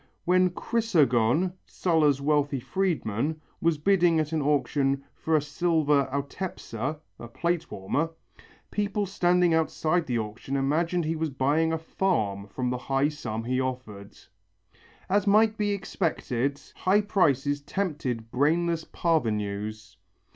When Chrysogon, Sulla's wealthy freedman, was bidding at an auction for a silver autepsa (a plate warmer), people standing outside the auction room imagined he was buying a farm from the high sum he offered. As might be expected, high prices tempted brainless parvenus.